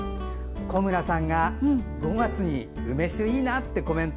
小村さんが５月に梅酒いいなってコメント